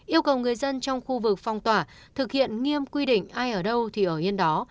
yêu cầu người dân trong khu vực phong tỏa thực hiện nghiêm quy định ai ở đâu thì ở yên đó